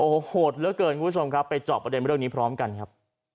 โอ้โหโหดเหลือเกินคุณผู้ชมครับไปเจาะประเด็นเรื่องนี้พร้อมกันครับ